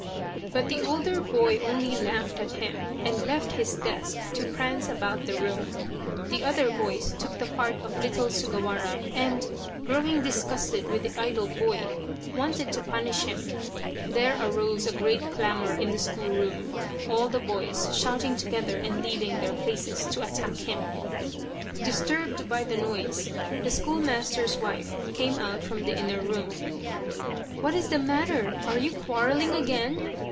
But the older boy only laughed at him, and left his desk to prance about the room. The other boys took the part of little Sugawara and, growing disgusted with the idle boy, wanted to punish him. There arose a great clamour in the school room, all the boys shouting together and leaving their places to attack him. 195 Loyal, Even Unto Death Disturbed by the noise, the schoolmaster's wife came out from the inner room. " What is the matter ? Are you quarrelling again